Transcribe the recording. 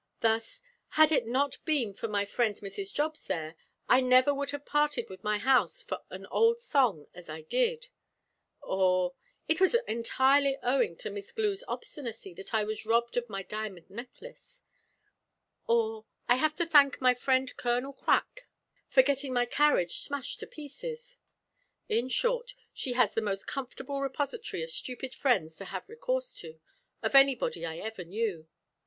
Thus, 'Had it not been for my friend Mrs. Jobbs there, I never would have parted with my house for an old song as I did;' or, 'It was entirely owing to Miss Glue's obstinacy that I was robbed of my diamond necklace, or, 'I have to thank my friend Colonel Crack for getting my carriage smashed to pieces.' In short, she has the most comfortable repository of stupid friends to have recourse to, of anybody I ever knew.